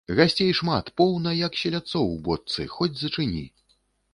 Гасцей шмат, поўна, як селядцоў у бочцы, хоць зачыні!